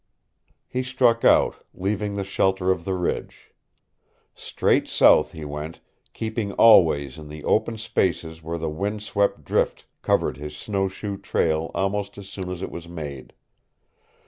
He struck out, leaving the shelter of the ridge. Straight south he went, keeping always in the open spaces where the wind swept drift covered his snowshoe trail almost as soon as it was made.